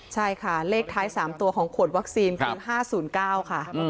ใช่ค่ะเลขท้าย๓ตัวของขวดวัคซีนคือ๕๐๙ค่ะ